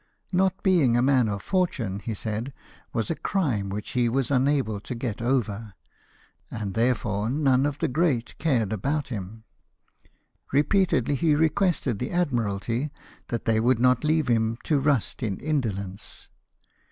" Not being a man of fortune," he said, " was a crime which he was unable to get over, and therefore none of the great cared about him." Repeatedly he requested the Admiralty that they would not leave him to rust in indolence.